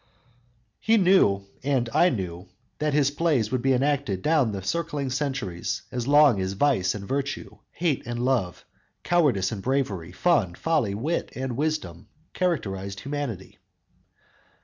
He knew, and I knew, that his plays would be enacted down the circling centuries as long as vice and virtue, hate and love, cowardice and bravery, fun, folly, wit and wisdom characterized humanity.